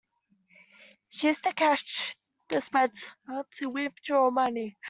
She used a cash dispenser to withdraw money